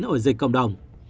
một mươi chín ổ dịch cộng đồng